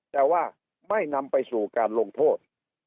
แต่ว่าไม่นำไปสู่การลงโทษ